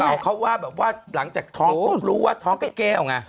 เอาเขาว่าแบบว่าหลังจากท้องปุ๊บรู้ว่าท้องแก้วไง